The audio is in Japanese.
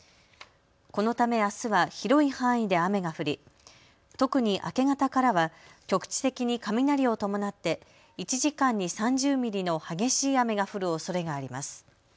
このためあすは広い範囲で雨が降り特に明け方からは局地的に雷を伴って１時間に３０ミリの激しい雨が降るおそれがあります。